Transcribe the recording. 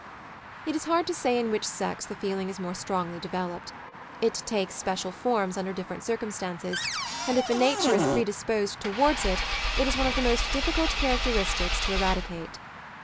It is hard to say in which sex the feeling is more strongly developed. It takes special forms under different circumstances, and if a nature is predisposed towards it, it is one of the most difficult characteristics , to eradicate.